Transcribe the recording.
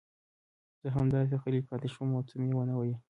زه همداسې غلی پاتې شوم او څه مې ونه ویل.